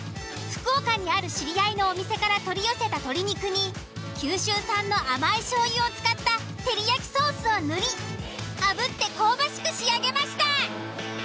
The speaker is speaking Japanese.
福岡にある知り合いのお店から取り寄せた鶏肉に九州産の甘い醤油を使った照り焼きソースを塗りあぶって香ばしく仕上げました。